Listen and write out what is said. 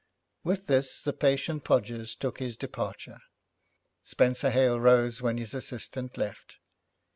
With this the patient Podgers took his departure. Spenser Hale rose when his assistant left.